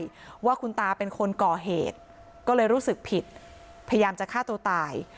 เพราะว่าคุณตาเป็นคนก่อเหตุก็เลยรู้สึกผิดพยายามจะฆ่าตัวตาย